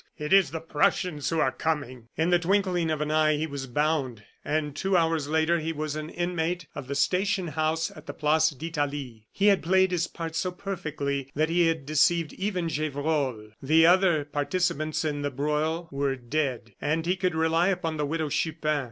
It is the Prussians who are coming!" In the twinkling of an eye he was bound; and two hours later he was an inmate of the station house at the Place d'Italie. He had played his part so perfectly, that he had deceived even Gevrol. The other participants in the broil were dead, and he could rely upon the Widow Chupin.